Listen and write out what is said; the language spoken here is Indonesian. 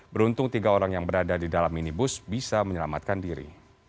beruntung tiga orang yang berada di dalam minibus bisa menyelamatkan diri